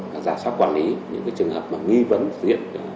và giả sát quản lý những trường hợp nghi vấn diễn